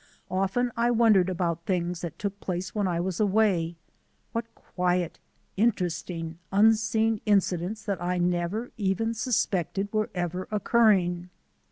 Often I wondered about things that took place when I was away; what quiet, interesting, unseen incidents that I never even suspected were ever occurring.